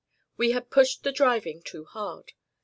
We had pushed the driving too hard.